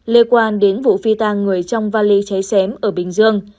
lê quan đến vụ phi tang người trong vali cháy xém ở bình dương